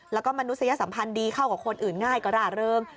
แล้วก็มนุษยสัมพันธ์ดีเข้ากับคนอื่นง่ายก็ร่าเริง